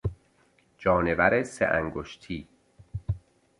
جانور سه انگشتی